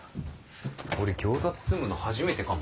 俺餃子包むの初めてかも。